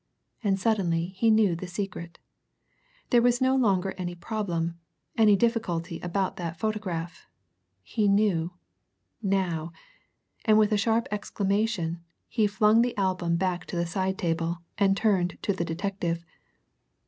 And suddenly he knew the secret. There was no longer any problem, any difficulty about that photograph. He knew now! And with a sharp exclamation, he flung the album back to the side table, and turned to the detective.